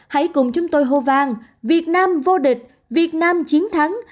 hãy cùng chúng tôi hô vang việt nam vô địch việt nam chiến thắng